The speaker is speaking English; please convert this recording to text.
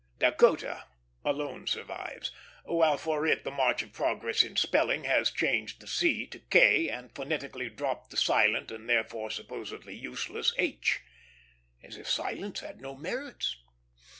Dacotah, alone survives; while for it the march of progress in spelling has changed the c to k, and phonetically dropped the silent, and therefore supposedly useless, h. As if silence had no merits!